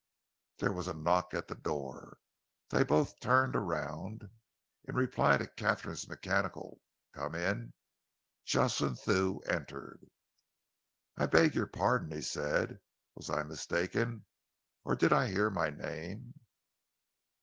There was a knock at the door. They both turned around. In reply to Katharine's mechanical "Come in," Jocelyn Thew entered. "I beg your pardon," he said, "was I mistaken or did I hear my name?"